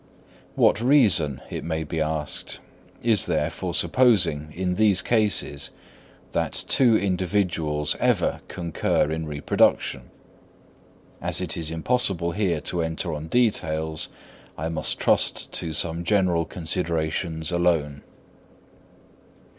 What reason, it may be asked, is there for supposing in these cases that two individuals ever concur in reproduction? As it is impossible here to enter on details, I must trust to some general considerations alone.